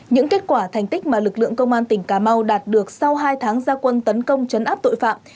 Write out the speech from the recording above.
những kết quả thành tích mà lực lượng công an tỉnh cà mau đạt được sau hai tháng gia quân tấn công chấn áp tội phạm